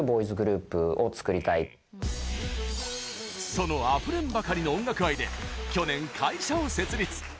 そのあふれんばかりの音楽愛で去年、会社を設立。